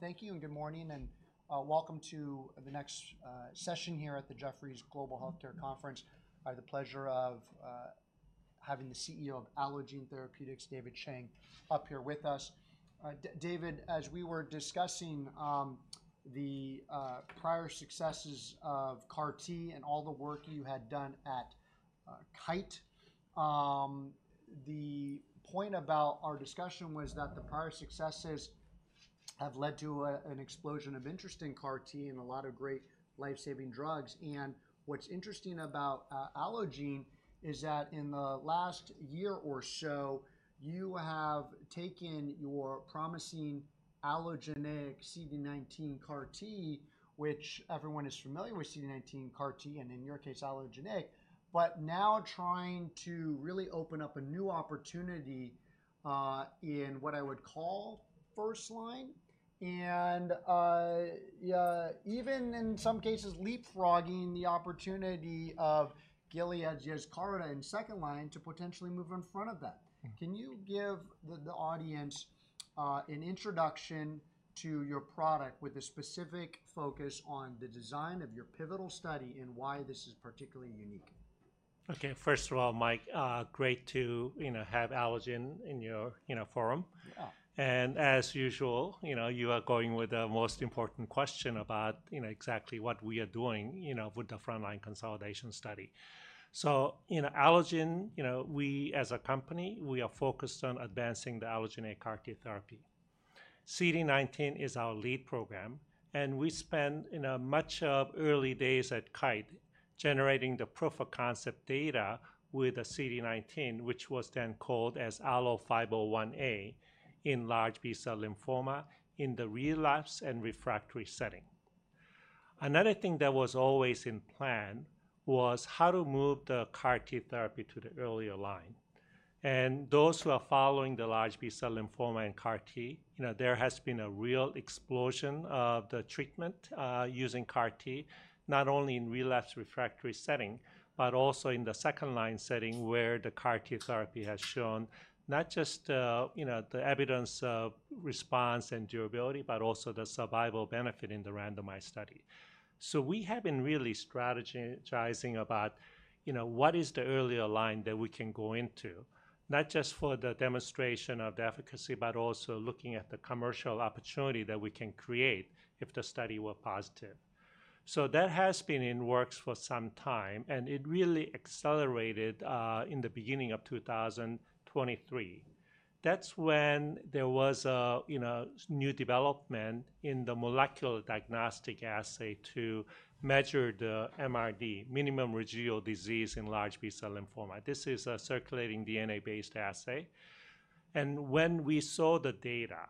Thank you, and good morning, and welcome to the next session here at the Jefferies Global Healthcare Conference. I have the pleasure of having the CEO of Allogene Therapeutics, David Chang, up here with us. David, as we were discussing the prior successes of CAR T and all the work you had done at Kite, the point about our discussion was that the prior successes have led to an explosion of interest in CAR T and a lot of great lifesaving drugs. What's interesting about Allogene is that in the last year or so, you have taken your promising allogeneic CD19 CAR T, which everyone is familiar with, CD19 CAR T, and in your case, allogeneic, but now trying to really open up a new opportunity in what I would call first line, and even in some cases leapfrogging the opportunity of Gilead Yescarta in second line to potentially move in front of that. Can you give the audience an introduction to your product with a specific focus on the design of your pivotal study and why this is particularly unique? Okay, first of all, Mike, great to have Allogene in your forum. And as usual, you are going with the most important question about exactly what we are doing with the front line consolidation study. So Allogene, we as a company, we are focused on advancing the allogeneic CAR T therapy. CD19 is our lead program, and we spent much of early days at Kite generating the proof of concept data with a CD19, which was then called as ALLO-501A in large B-cell lymphoma in the relapse and refractory setting. Another thing that was always in plan was how to move the CAR T therapy to the earlier line. Those who are following the large B-cell lymphoma and CAR T, there has been a real explosion of the treatment using CAR T, not only in relapse refractory setting, but also in the second line setting where the CAR T therapy has shown not just the evidence of response and durability, but also the survival benefit in the randomized study. We have been really strategizing about what is the earlier line that we can go into, not just for the demonstration of the efficacy, but also looking at the commercial opportunity that we can create if the study were positive. That has been in works for some time, and it really accelerated in the beginning of 2023. That's when there was a new development in the molecular diagnostic assay to measure the MRD, minimum residual disease in large B-cell lymphoma. This is a circulating DNA-based assay. And when we saw the data,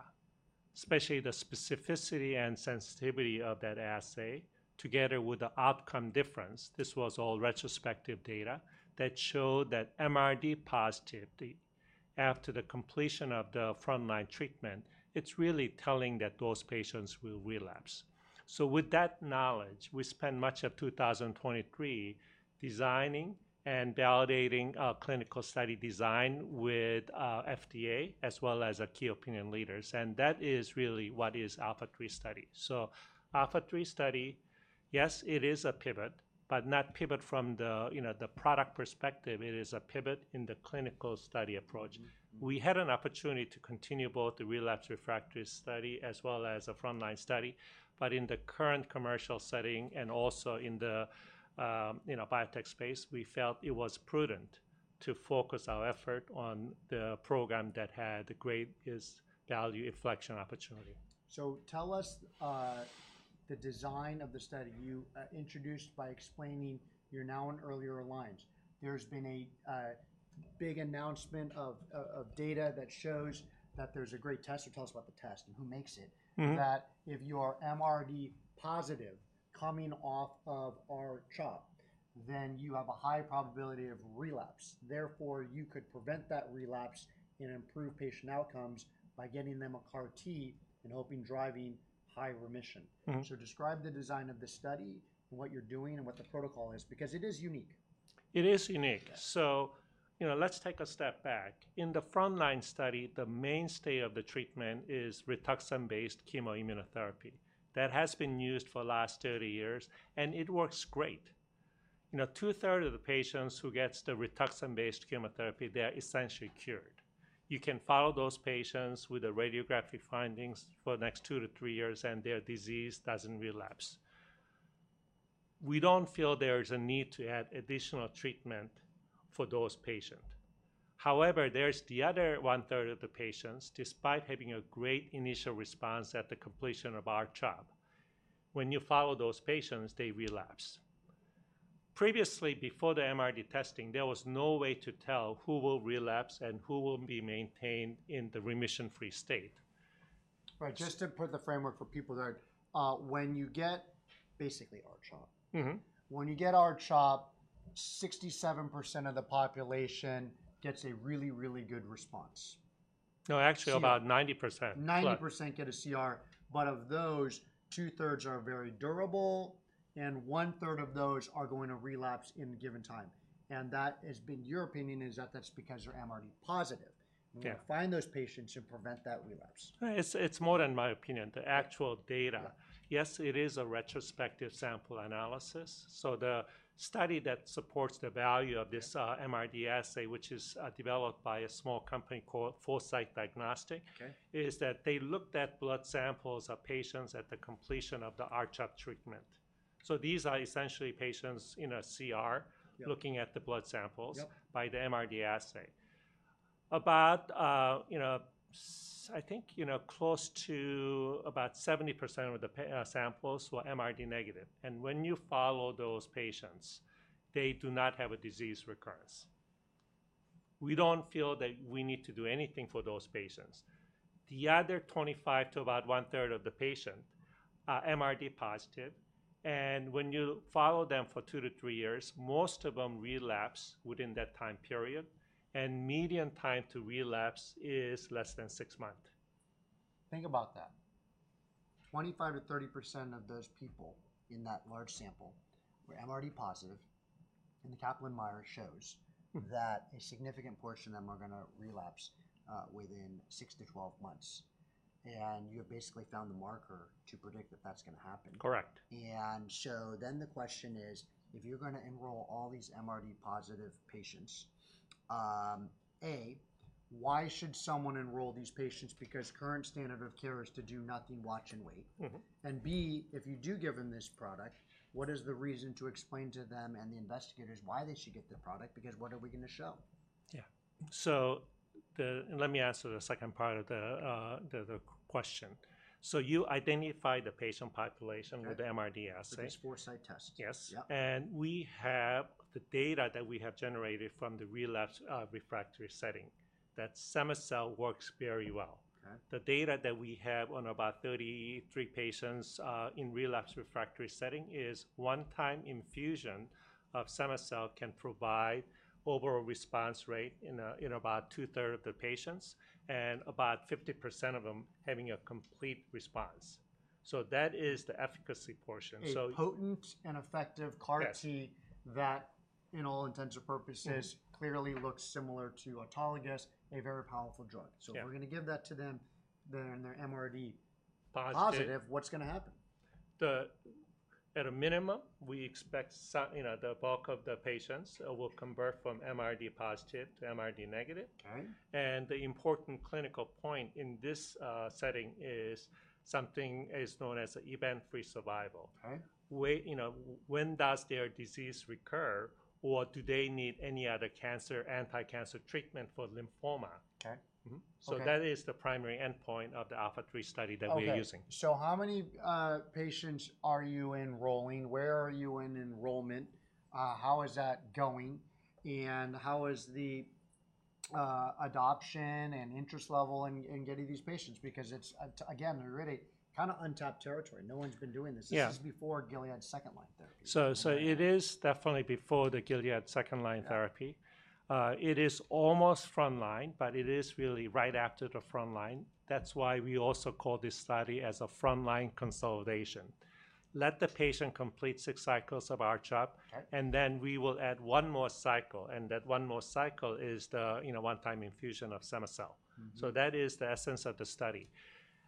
especially the specificity and sensitivity of that assay together with the outcome difference, this was all retrospective data that showed that MRD positivity after the completion of the front line treatment. It's really telling that those patients will relapse. So with that knowledge, we spent much of 2023 designing and validating a clinical study design with FDA as well as key opinion leaders. And that is really what is ALPHA3 study. So ALPHA3 study, yes, it is a pivot, but not pivot from the product perspective. It is a pivot in the clinical study approach. We had an opportunity to continue both the relapsed/refractory study as well as a front line study, but in the current commercial setting and also in the biotech space, we felt it was prudent to focus our effort on the program that had the greatest value inflection opportunity. So tell us the design of the study you introduced by explaining your new and earlier lines. There's been a big announcement of data that shows that there's a great test. So tell us about the test and who makes it. That if you are MRD positive coming off of R-CHOP, then you have a high probability of relapse. Therefore, you could prevent that relapse and improve patient outcomes by getting them a CAR T and hope to drive high remission. So describe the design of the study and what you're doing and what the protocol is, because it is unique. It is unique. So let's take a step back. In the front line study, the mainstay of the treatment is RITUXAN-based chemoimmunotherapy that has been used for the last 30 years, and it works great. Two-thirds of the patients who get the RITUXAN-based chemotherapy, they're essentially cured. You can follow those patients with the radiographic findings for the next two to three years, and their disease doesn't relapse. We don't feel there is a need to add additional treatment for those patients. However, there's the other one-third of the patients, despite having a great initial response at the completion of R-CHOP. When you follow those patients, they relapse. Previously, before the MRD testing, there was no way to tell who will relapse and who will be maintained in the remission-free state. Right, just to put the framework for people there, when you get basically R-CHOP, 67% of the population gets a really, really good response. No, actually about 90%. 90% get a CR, but of those, two-thirds are very durable, and one-third of those are going to relapse in a given time. And that has been your opinion is that that's because they're MRD positive. You can find those patients and prevent that relapse. It's more than my opinion, the actual data. Yes, it is a retrospective sample analysis. So the study that supports the value of this MRD assay, which is developed by a small company called Foresight Diagnostics, is that they looked at blood samples of patients at the completion of the R-CHOP treatment. So these are essentially patients in a CR looking at the blood samples by the MRD assay. About, I think, close to about 70% of the samples were MRD negative. And when you follow those patients, they do not have a disease recurrence. We don't feel that we need to do anything for those patients. The other 25 to about one-third of the patients are MRD positive. And when you follow them for two to three years, most of them relapse within that time period, and median time to relapse is less than six months. Think about that. 25%-30% of those people in that large sample were MRD positive, and the Kaplan-Meier shows that a significant portion of them are going to relapse within six to twelve months, and you have basically found the marker to predict that that's going to happen. Correct. And so then the question is, if you're going to enroll all these MRD positive patients, A, why should someone enroll these patients? Because current standard of care is to do nothing, watch and wait. And B, if you do give them this product, what is the reason to explain to them and the investigators why they should get the product? Because what are we going to show? Yeah, so let me answer the second part of the question, so you identify the patient population with the MRD assay. So this Foresight test. Yes. And we have the data that we have generated from the relapsed/refractory setting that cema-cel works very well. The data that we have on about 33 patients in relapsed/refractory setting is one-time infusion of cema-cel can provide overall response rate in about two-thirds of the patients and about 50% of them having a complete response. So that is the efficacy portion. Potent and effective CAR T that in all intents and purposes clearly looks similar to autologous, a very powerful drug. So if we're going to give that to them in their MRD positive, what's going to happen? At a minimum, we expect the bulk of the patients will convert from MRD positive to MRD negative. The important clinical point in this setting is something known as event-free survival. When does their disease recur, or do they need any other anti-cancer treatment for lymphoma? That is the primary endpoint of the ALPHA3 study that we're using. So how many patients are you enrolling? Where are you in enrollment? How is that going? And how is the adoption and interest level in getting these patients? Because it's, again, really kind of untapped territory. No one's been doing this. This is before Gilead's second-line therapy. It is definitely before the Gilead second line therapy. It is almost front line, but it is really right after the front line. That is why we also call this study as a front line consolidation. Let the patient complete six cycles of R-CHOP, and then we will add one more cycle, and that one more cycle is the one-time infusion of cema-cel. That is the essence of the study,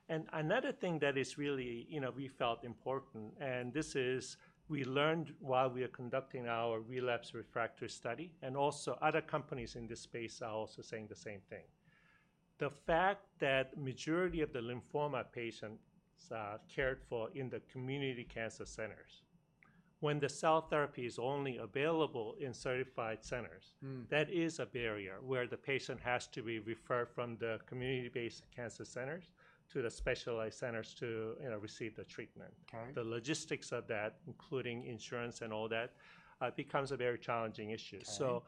and another thing that is really we felt important, and this is we learned while we are conducting our relapsed/refractory study, and also other companies in this space are also saying the same thing. The fact that the majority of the lymphoma patients cared for in the community cancer centers, when the cell therapy is only available in certified centers, that is a barrier where the patient has to be referred from the community-based cancer centers to the specialized centers to receive the treatment. The logistics of that, including insurance and all that, becomes a very challenging issue, so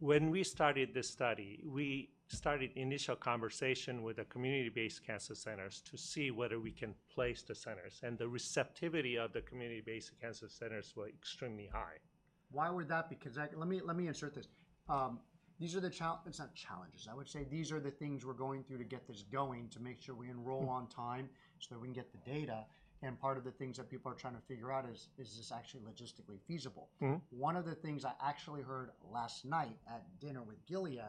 when we started this study, we started initial conversation with the community-based cancer centers to see whether we can place the centers, and the receptivity of the community-based cancer centers were extremely high. Why would that be? Because let me insert this. These are the challenges, I would say. These are the things we're going through to get this going to make sure we enroll on time so that we can get the data. And part of the things that people are trying to figure out is, is this actually logistically feasible? One of the things I actually heard last night at dinner with Gilead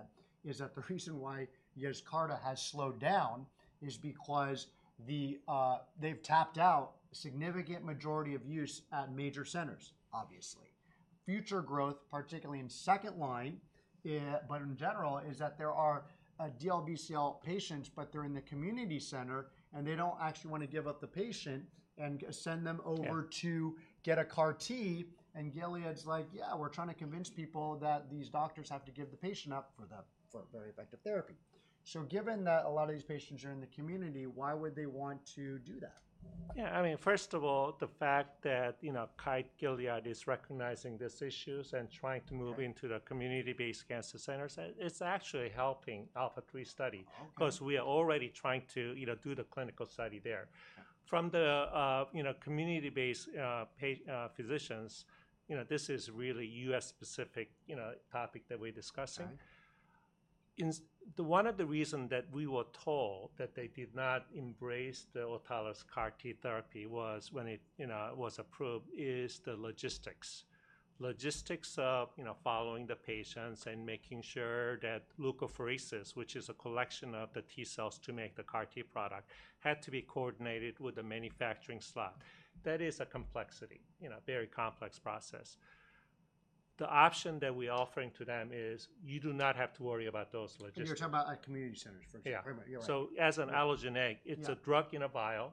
is that the reason why Yescarta has slowed down is because they've tapped out a significant majority of use at major centers, obviously. Future growth, particularly in second line, but in general, is that there are DLBCL patients, but they're in the community center and they don't actually want to give up the patient and send them over to get a CAR T. And Gilead's like, yeah, we're trying to convince people that these doctors have to give the patient up for very effective therapy. So given that a lot of these patients are in the community, why would they want to do that? Yeah, I mean, first of all, the fact that Kite, Gilead is recognizing this issue and trying to move into the community-based cancer centers, it's actually helping ALPHA3 study because we are already trying to do the clinical study there. From the community-based physicians, this is really a U.S.-specific topic that we're discussing. One of the reasons that we were told that they did not embrace the autologous CAR T therapy was, when it was approved, the logistics. Logistics of following the patients and making sure that leukapheresis, which is a collection of the T cells to make the CAR T product, had to be coordinated with the manufacturing slot. That is a complexity, a very complex process. The option that we are offering to them is you do not have to worry about those logistics. You're talking about community centers for sure. Yeah. So as an allogeneic, it's a drug in a vial.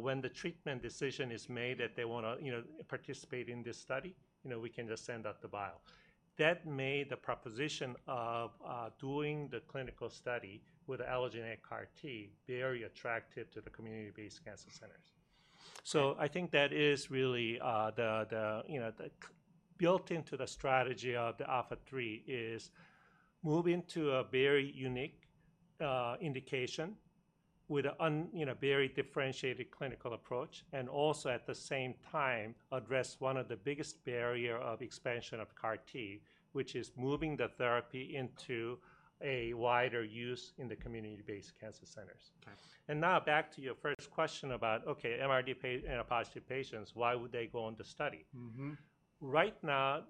When the treatment decision is made that they want to participate in this study, we can just send out the vial. That made the proposition of doing the clinical study with the Allogene CAR T very attractive to the community-based cancer centers. So I think that is really built into the strategy of the ALPHA3 is moving to a very unique indication with a very differentiated clinical approach and also at the same time address one of the biggest barriers of expansion of CAR T, which is moving the therapy into a wider use in the community-based cancer centers. And now back to your first question about, okay, MRD positive patients, why would they go on the study? Right now,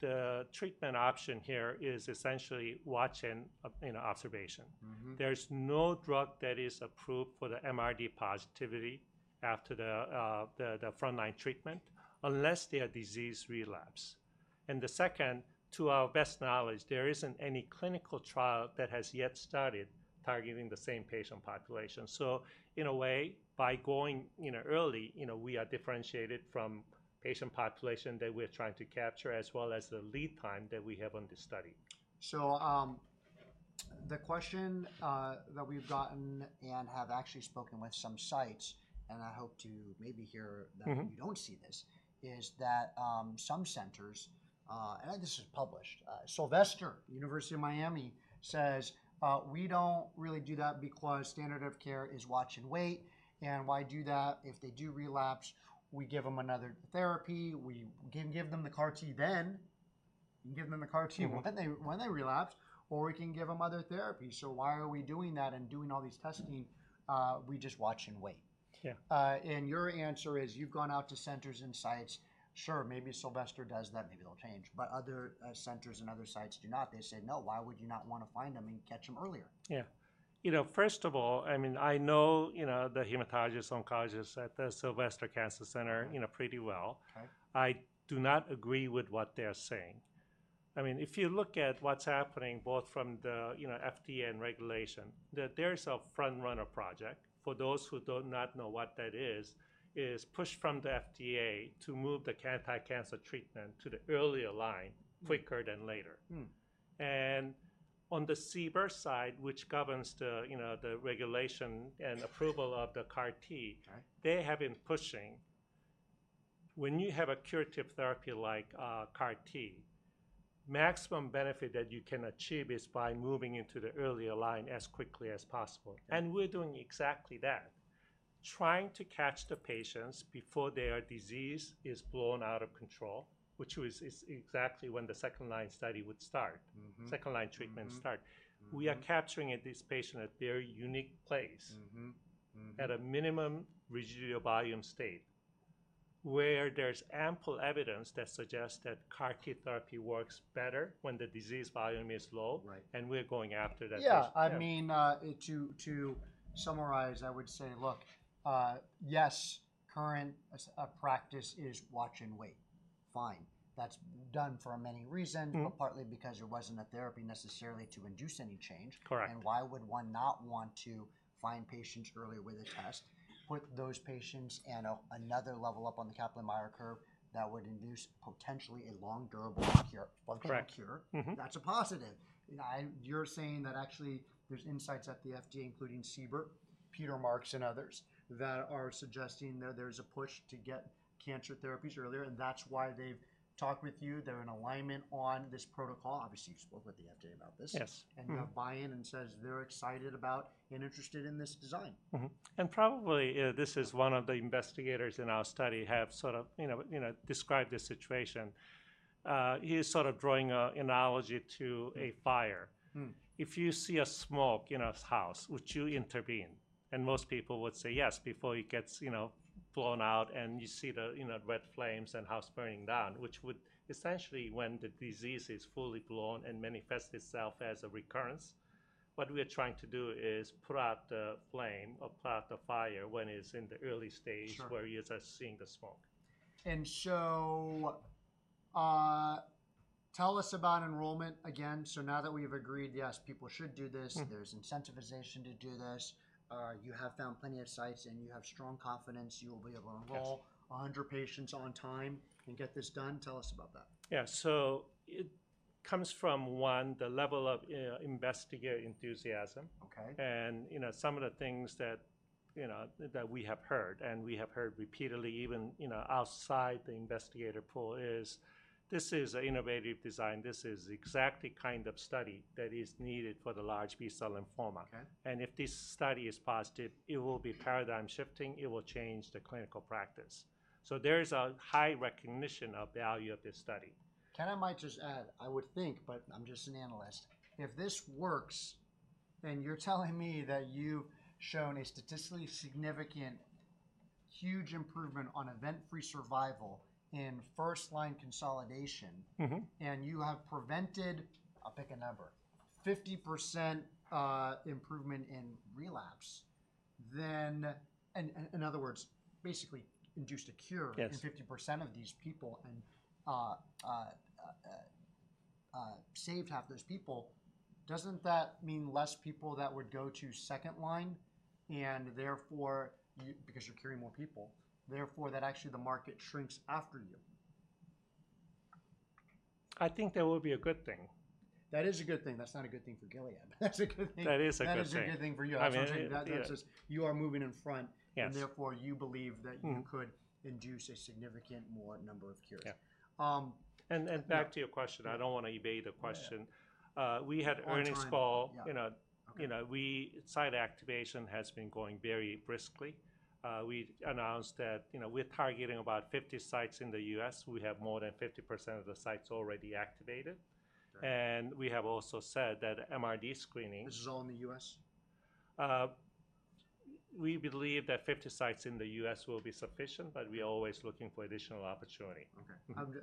the treatment option here is essentially watch and observation. There's no drug that is approved for the MRD positivity after the front line treatment unless their disease relapse, and the second, to our best knowledge, there isn't any clinical trial that has yet started targeting the same patient population, so in a way, by going early, we are differentiated from the patient population that we're trying to capture as well as the lead time that we have on this study. So the question that we've gotten and have actually spoken with some sites, and I hope to maybe hear that we don't see this, is that some centers, and this is published. Sylvester, University of Miami says, "We don't really do that because standard of care is watch and wait. And why do that? If they do relapse, we give them another therapy. We can give them the CAR T then, give them the CAR T when they relapse, or we can give them other therapy. So why are we doing that and doing all this testing? We just watch and wait." And your answer is you've gone out to centers and sites. Sure, maybe Sylvester does that. Maybe they'll change, but other centers and other sites do not. They say, "No, why would you not want to find them and catch them earlier? Yeah. First of all, I mean, I know the hematologists, oncologists at the Sylvester Cancer Center pretty well. I do not agree with what they're saying. I mean, if you look at what's happening both from the FDA and regulation, there's a FrontRunner Project. For those who do not know what that is, it is push from the FDA to move the anti-cancer treatment to the earlier line quicker than later. And on the CBER side, which governs the regulation and approval of the CAR T, they have been pushing. When you have a curative therapy like CAR T, the maximum benefit that you can achieve is by moving into the earlier line as quickly as possible. And we're doing exactly that, trying to catch the patients before their disease is blown out of control, which is exactly when the second line study would start, second line treatment start. We are capturing this patient at a very unique place in a minimal residual disease state where there's ample evidence that suggests that CAR T therapy works better when the disease volume is low and we're going after that. Yeah, I mean, to summarize, I would say, look, yes, current practice is watch and wait. Fine. That's done for many reasons, but partly because there wasn't a therapy necessarily to induce any change. And why would one not want to find patients earlier with a test, put those patients at another level up on the Kaplan-Meier curve that would induce potentially a long, durable cure? That's a positive. You're saying that actually there's insights at the FDA, including CBER, Peter Marks and others that are suggesting that there's a push to get cancer therapies earlier. And that's why they've talked with you. They're in alignment on this protocol. Obviously, you spoke with the FDA about this. And you have buy-in and they say they're excited about and interested in this design. Probably this is one of the investigators in our study have sort of described this situation. He is sort of drawing an analogy to a fire. If you see a smoke in a house, would you intervene, and most people would say yes before it gets blown out and you see the red flames and house burning down, which would essentially when the disease is fully blown and manifests itself as a recurrence. What we are trying to do is put out the flame or put out the fire when it's in the early stage where you're just seeing the smoke. And so tell us about enrollment again. So now that we've agreed, yes, people should do this. There's incentivization to do this. You have found plenty of sites and you have strong confidence you will be able to enroll 100 patients on time and get this done. Tell us about that. Yeah. So it comes from one, the level of investigator enthusiasm. And some of the things that we have heard and we have heard repeatedly even outside the investigator pool is this is an innovative design. This is exactly the kind of study that is needed for the large B-cell lymphoma. And if this study is positive, it will be paradigm shifting. It will change the clinical practice. So there is a high recognition of the value of this study. Might I just add, I would think, but I'm just an analyst, if this works, then you're telling me that you've shown a statistically significant huge improvement on event-free survival in first-line consolidation. And you have prevented, I'll pick a number, 50% improvement in relapse. Then, in other words, basically induced a cure in 50% of these people and saved half those people. Doesn't that mean less people that would go to second line and therefore, because you're curing more people, therefore that actually the market shrinks after you? I think that would be a good thing. That is a good thing. That's not a good thing for Gilead. That's a good thing. That is a good thing. That is a good thing for you. I'm saying that you are moving in front and therefore you believe that you could induce a significant more number of cures. And back to your question, I don't want to evade the question. We had earnings call. Site activation has been going very briskly. We announced that we're targeting about 50 sites in the U.S. We have more than 50% of the sites already activated. And we have also said that MRD screening. This is all in the U.S.? We believe that 50 sites in the U.S. will be sufficient, but we are always looking for additional opportunity. Okay.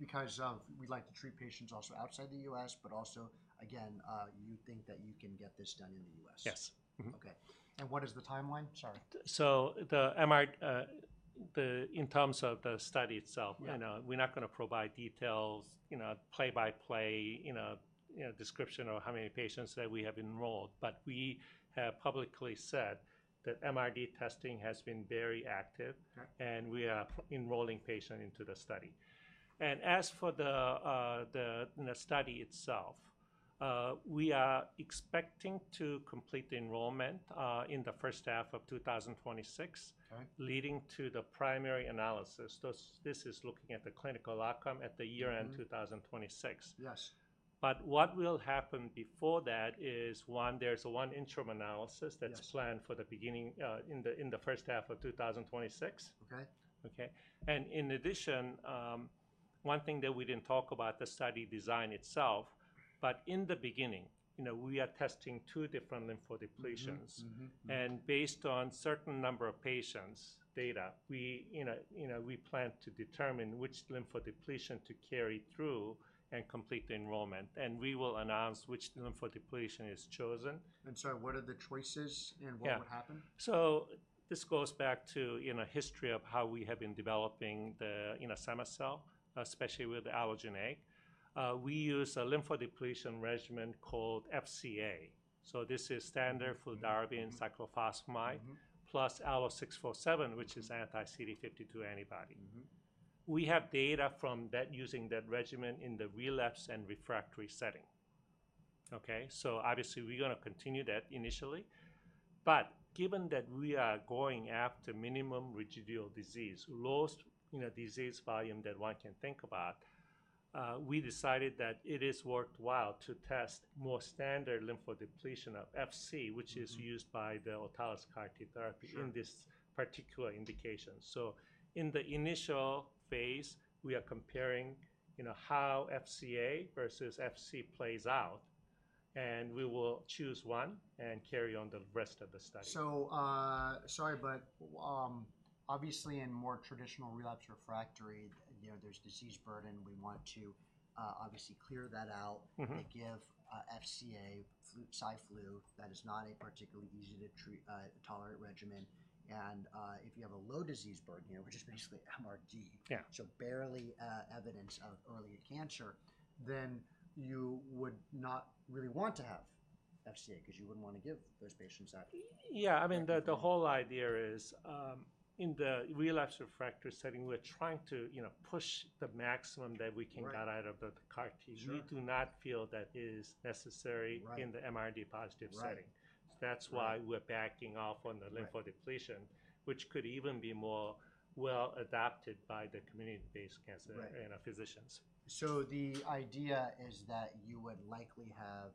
Because we'd like to treat patients also outside the U.S., but also, again, you think that you can get this done in the U.S.? Yes. Okay, and what is the timeline? Sorry. So in terms of the study itself, we're not going to provide details, play-by-play description of how many patients that we have enrolled, but we have publicly said that MRD testing has been very active and we are enrolling patients into the study. And as for the study itself, we are expecting to complete the enrollment in the first half of 2026, leading to the primary analysis. This is looking at the clinical outcome at the year end 2026. But what will happen before that is one, there's one interim analysis that's planned for the beginning in the first half of 2026. Okay. And in addition, one thing that we didn't talk about, the study design itself, but in the beginning, we are testing two different lymphodepletions. And based on a certain number of patients' data, we plan to determine which lymphodepletion to carry through and complete the enrollment. We will announce which lymphodepletion is chosen. Sorry, what are the choices and what would happen? This goes back to the history of how we have been developing the cema-cel, especially with the allogeneic. We use a lymphodepletion regimen called FCA. This is standard for fludarabine cyclophosphamide plus ALLO-647, which is anti-CD52 antibody. We have data from using that regimen in the relapse and refractory setting. Okay. Obviously we're going to continue that initially. But given that we are going after minimum residual disease, lowest disease volume that one can think about, we decided that it is worthwhile to test more standard lymphodepletion of FC, which is used by the autologous CAR T therapy in this particular indication. In the initial phase, we are comparing how FCA versus FC plays out. And we will choose one and carry on the rest of the study. So, sorry, but obviously in more traditional relapsed/refractory, there's disease burden. We want to obviously clear that out and give FCA, Cy-Flu that is not a particularly easy to tolerate regimen. And if you have a low disease burden, which is basically MRD, so barely evidence of early cancer, then you would not really want to have FCA because you wouldn't want to give those patients that. Yeah. I mean, the whole idea is in the relapsed/refractory setting, we're trying to push the maximum that we can get out of the CAR T. We do not feel that is necessary in the MRD-positive setting. That's why we're backing off on the lymphodepletion, which could even be more well adapted by the community-based cancer physicians. So the idea is that you would likely have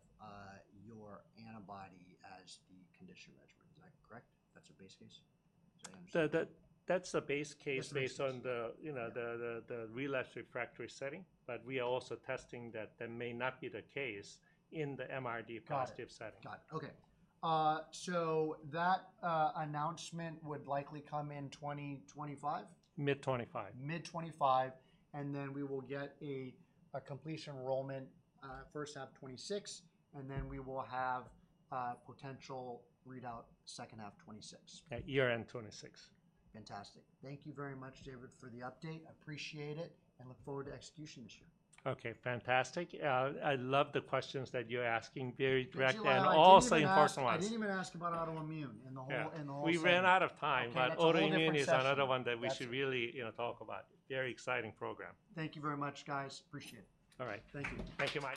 your antibody as the conditioning regimen. Is that correct? That's a base case? That's a base case based on the relapsed/refractory setting, but we are also testing that may not be the case in the MRD-positive setting. Got it. Okay. So that announcement would likely come in 2025? Mid '25. Mid 2025, and then we will get a completion enrollment first half 2026, and then we will have potential readout second half 2026. Yeah, year-end 2026. Fantastic. Thank you very much, David, for the update. I appreciate it and look forward to execution this year. Okay. Fantastic. I love the questions that you're asking. Very direct and also impersonalized. I didn't even ask about autoimmune and the whole thing. We ran out of time, but autoimmune is another one that we should really talk about. Very exciting program. Thank you very much, guys. Appreciate it. All right. Thank you. Thank you.